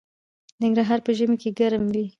ننګرهار په ژمي کې ګرم وي